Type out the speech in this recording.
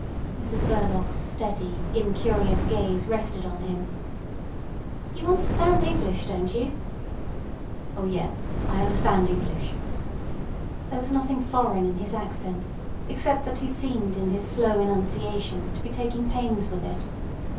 Mrs Verloc's steady, incurious gaze rested on him. "You understand English, don't you?" "Oh yes. I understand English." There was nothing foreign in his accent, except that he seemed in his slow enunciation to be taking pains with it.